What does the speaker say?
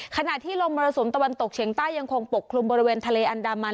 ขณะที่ลมมรสุมตะวันตกเฉียงใต้ยังคงปกคลุมบริเวณทะเลอันดามัน